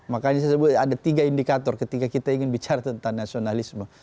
makanya saya sebut ada tiga indikator ketika kita ingin bicara tentang nasionalisme